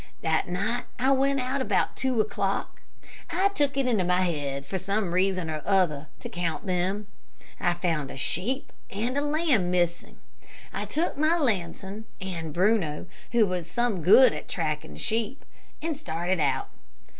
That night I went out about two o'clock. I took it into my head, for some reason or other, to count them. I found a sheep and lamb missing, took my lantern and Bruno, who was some good at tracking sheep, and started out.